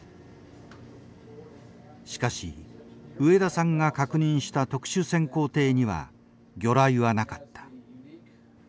しかし植田さんが確認した特殊潜航艇には魚雷はなかった。